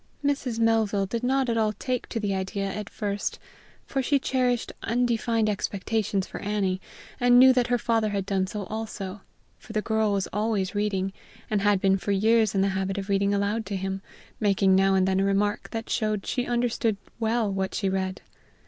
Mrs. Melville did not at all take to the idea at first, for she cherished undefined expections for Annie, and knew that her father had done so also, for the girl was always reading, and had been for years in the habit of reading aloud to him, making now and then a remark that showed she understood well what she read.